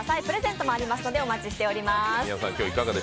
プレゼントもありますのでお待ちしております。